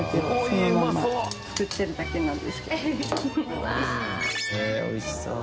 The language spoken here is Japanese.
へぇおいしそう。